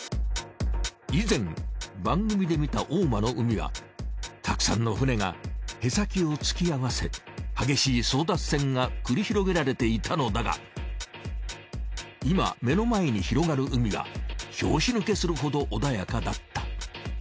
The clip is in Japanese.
以前番組で見た大間の海はたくさんの船が舳先を突き合わせ激しい争奪戦が繰り広げられていたのだが今目の前に広がる海は拍子抜けするほど穏やかだった。